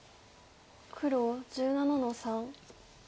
黒１７の三。